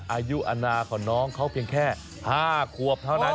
อายุอนาของน้องเขาเพียงแค่๕ขวบเท่านั้น